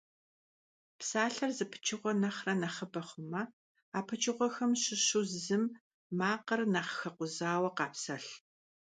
Psalher zı pıçığue nexhre nexhıbe xhume, a pıçığuexem şışu zım makhır nexh xekhuzaue khapselh.